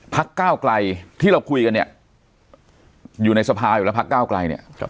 ก้าวไกลที่เราคุยกันเนี่ยอยู่ในสภาอยู่แล้วพักก้าวไกลเนี่ย